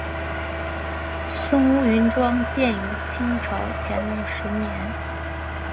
松坞云庄建于清朝乾隆十年。